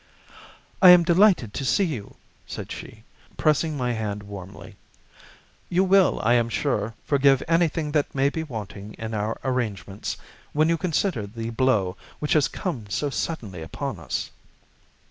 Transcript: "I am delighted to see you," said she, pressing my hand warmly. "You will, I am sure, forgive anything that may be wanting in our arrangements, when you consider the blow which has come so suddenly upon us."